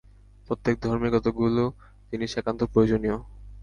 প্রত্যেক ধর্মেই কতকগুলি জিনিষ একান্ত প্রয়োজনীয়।